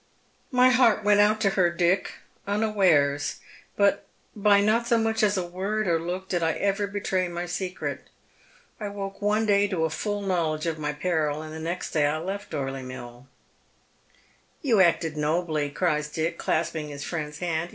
My heart went out to her, Dick, unawares, but by not so much as a word or look did I ever betray my secret. I woke one day to a full linowledge of my peril, and the next day I left Dorley Mill." " You acted nobl}^," cries Dick, clasping his friend's hand.